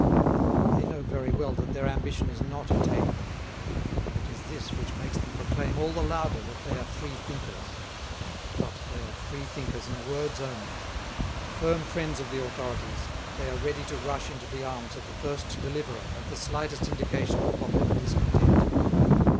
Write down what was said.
They know very well that their ambition is not attainable, and it is this which makes them proclaim all the louder that they are freethinkers. But they are freethinkers in words only; firm friends of the authorities, they are ready to rush into the arms of the first deliverer at the slightest indication of popular discontent.